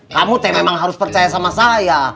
kamu teh memang harus percaya sama saya